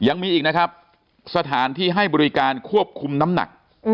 ยังมีอีกนะครับสถานที่ให้บริการควบคุมน้ำหนัก